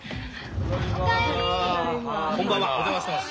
こんばんはお邪魔してます。